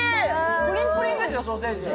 プリンプリンですよ、ソーセージ。